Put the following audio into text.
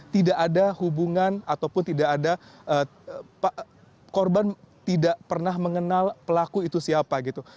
tidak ada hubungan ataupun tidak ada korban tidak pernah mengenal pelaku itu siapa gitu